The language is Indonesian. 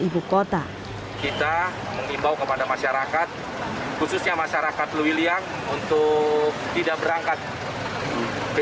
ibukota kita mengimbau kepada masyarakat khususnya masyarakat luwiliang untuk tidak berangkat ke